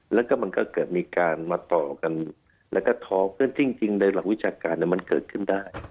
แล้วก็มันก็เกิดมีการมาต่อกันแล้วก็ท้อเพื่อนจริงจริงในหลักวิจารณ์เนี่ยมันเกิดขึ้นได้